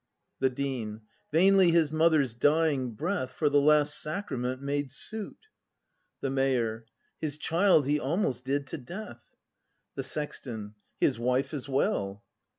The Dean. Vainly his mother's dying breath For the last sacrament made suit! The Mayor. His child he almost did to death! The Sexton. His wife as well!